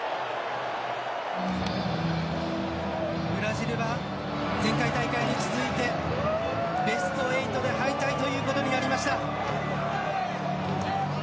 ブラジルは前回大会に続いてベスト８で敗退ということになりました。